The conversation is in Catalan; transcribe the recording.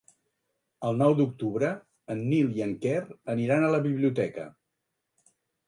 El nou d'octubre en Nil i en Quer aniran a la biblioteca.